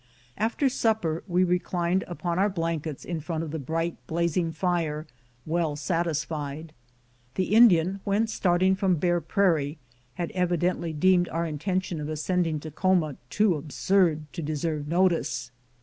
After supper we reclined upon our blankets in front of the bright, blazing fire, well satisfied. The Indian, when starting from Bear Prairie, had evidently deemed our intention of ascending Takhoma too absurd to deserve notice.